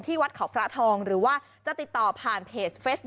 ที่วัดเขาพระทองหรือว่าจะติดต่อ